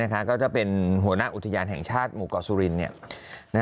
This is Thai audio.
ก็จะเป็นหัวหน้าอุทยานแห่งชาติหมู่เกาะสุรินทร์